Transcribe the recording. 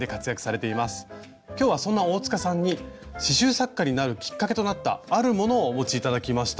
今日はそんな大さんに刺しゅう作家になるきっかけとなったあるものをお持ち頂きました。